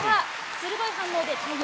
鋭い反応で対応。